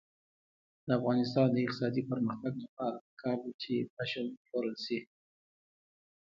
د افغانستان د اقتصادي پرمختګ لپاره پکار ده چې پشم وپلورل شي.